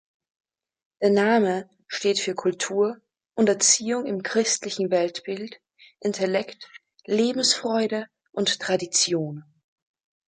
Der Name steht für "Kultur" und Erziehung im christlichen Weltbild, "Intellekt", "Lebensfreude" und "Tradition".